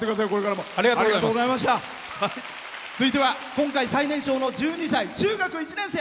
続いては今回、最年少の１２歳の中学１年生。